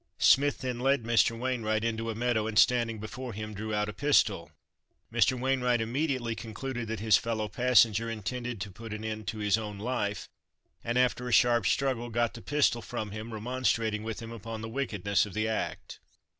Smith then led Mr. Wainwright into a meadow, and standing before him drew out a pistol. Mr. Wainwright immediately concluded that his fellow passenger intended to put an end to his own life, and, after a sharp struggle, got the pistol from him, remonstrating with him upon the wickedness of the act.